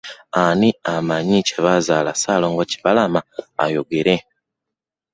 Ani amanyi gye bazaala Ssaalongo Kibalama ayogere?